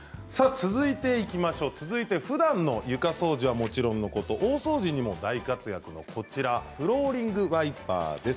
続いていきましょうふだんの床掃除はもちろんのこと大掃除にも大活躍のフローリングワイパーです。